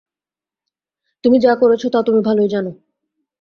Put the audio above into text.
তুমি যা করেছ তা তুমি ভালোই জান।